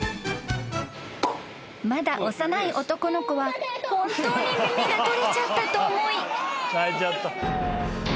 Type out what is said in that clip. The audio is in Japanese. ［まだ幼い男の子は本当に耳が取れちゃったと思い］